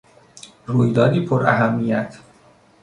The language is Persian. رویدادی پراهمیت